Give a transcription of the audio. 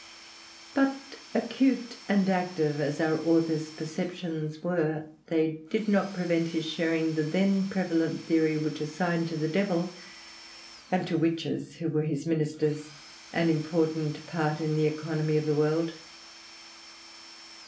But acute and active as our author's perceptions were, they did not prevent his sharing the then prevalent theory which assigned to the devil, and to witches who were his ministers, an important part in the economy of the world.